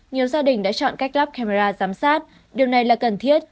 nhiều gia đình đã chọn cách lắp camera giám sát điều này là cần thiết